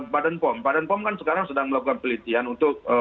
badan pom badan pom kan sekarang sedang melakukan pelitian untuk